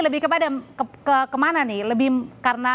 lebih kepada kemana nih lebih karena